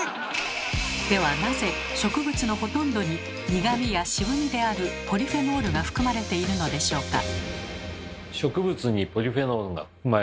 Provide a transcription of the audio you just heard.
ではなぜ植物のほとんどに苦味や渋味であるポリフェノールが含まれているのでしょうか？